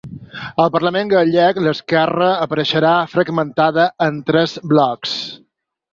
Al parlament gallec l’esquerra apareixerà fragmentada en tres blocs.